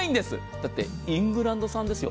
だって、イングランド産ですよ。